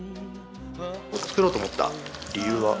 作ろうと思った理由は？